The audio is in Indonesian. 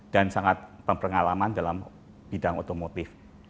dan sangat pengalaman dalam bidang otomotif